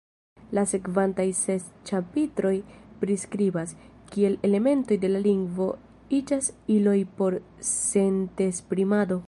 La sekvantaj ses ĉapitroj priskribas, kiel elementoj de la lingvo iĝas iloj por sentesprimado.